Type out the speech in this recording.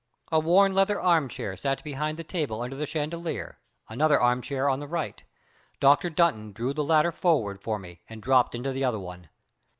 A worn leather arm chair sat behind the table under the chandelier, another arm chair on the right. Dr. Dunton drew the latter forward for me and dropped into the other one.